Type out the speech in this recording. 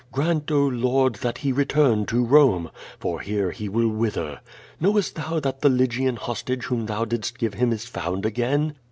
Grant, oh. Lord, that he return to Rome, for here he will wither. Knowest thou that the Lygian hostage whom thou didst give him is found again?